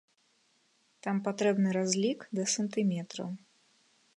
Там патрэбны разлік да сантыметраў.